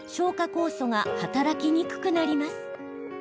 酵素が働きにくくなります。